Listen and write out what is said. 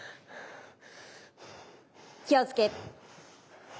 気をつけ。